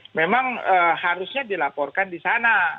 jadi memang harusnya dilaporkan di sana